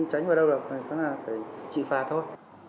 đánh vào đâu rồi có nghĩa là phải trị phà thôi